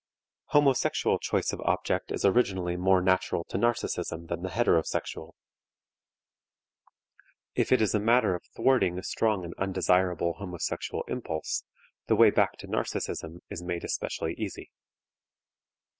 Homosexual choice of object is originally more natural to narcism than the heterosexual. If it is a matter of thwarting a strong and undesirable homosexual impulse, the way back to narcism is made especially easy.